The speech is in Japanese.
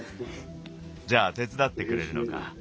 じゃあ手つだってくれるのか？